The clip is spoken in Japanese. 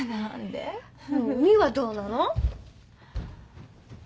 美羽どうなの？